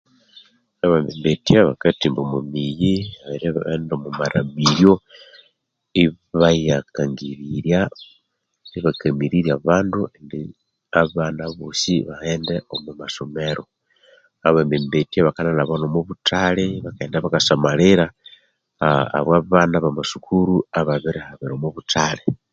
Abembembetya bakatimba omwamiyi no mwamaramiryo ibayangangirirya ibakamirirya abandu Indi abana aboosi baghende omwamasomero. Abembembetya bakanalaba omwabuthali bakaghenda bakasamalira abo abana abamasukuru ababirihabira omwabuthali.